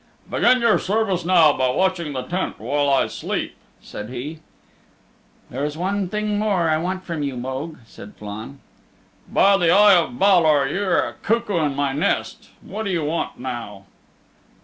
"Begin your service now by watching the tent while I sleep," said he. "There is one thing more I want from you, Mogue," said Flann. "By the Eye of Balor! you're a cuckoo in my nest. What do you want now?"